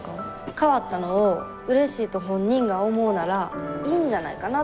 変わったのをうれしいと本人が思うならいいんじゃないかな。